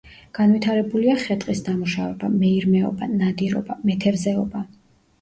განვითარებულია ხე-ტყის დამუშავება, მეირმეობა, ნადირობა, მეთევზეობა.